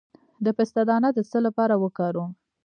د پسته دانه د څه لپاره وکاروم؟